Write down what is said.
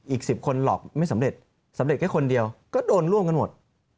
อีก๑๐คนหลอกไม่สำเร็จสำเร็จแค่คนเดียวก็โดนร่วมกันหมด